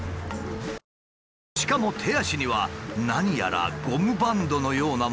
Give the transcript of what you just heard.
しかも手足には何やらゴムバンドのようなものをはめている。